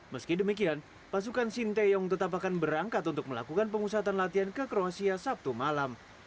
meski demikian pasukan sinteyong tetap akan berangkat untuk melakukan pemusatan latihan ke kroasia sabtu malam